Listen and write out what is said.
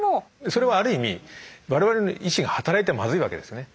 それはある意味我々の意志が働いてはまずいわけですね。